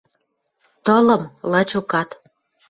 Тылым, лачокат».